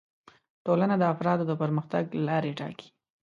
ټولنه د افرادو د پرمختګ لارې ټاکي